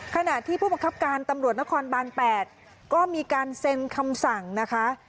ขณะที่ผู้บังคับการตำรวจนครบาน๘ก็มีการเซ็นคำสั่งนะคะ